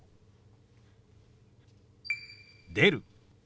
「出る」。